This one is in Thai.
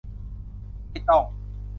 ไม่ต้อง